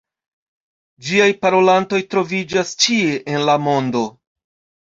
Ĝiaj parolantoj troviĝas ĉie en la mondo.